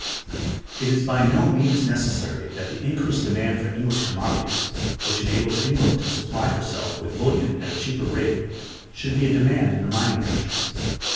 It is by no means necessary that the increased demand for English commodities, which enables England to supply herself with bullion at a cheaper rate, should be a demand in the mining countries.